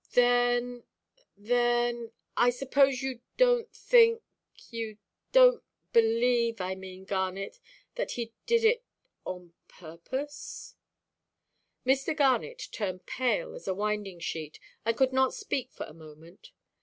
"Then—then—I suppose you donʼt think—you donʼt believe, I mean, Garnet—that he did it on purpose?" Mr. Garnet turned pale as a winding–sheet, and could not speak for a moment.